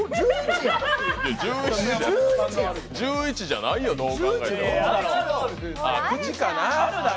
１１じゃないよ、どう考えても。